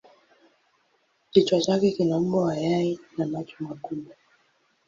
Kichwa chake kina umbo wa yai na macho makubwa.